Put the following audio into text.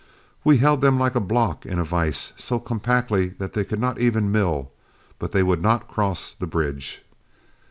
We held them like a block in a vise, so compactly that they could not even mill, but they would not cross the bridge.